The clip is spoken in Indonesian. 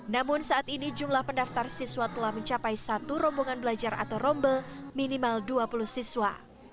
namun saat ini jumlah pendaftar siswa telah mencapai satu rombongan belajar atau rombel minimal dua puluh siswa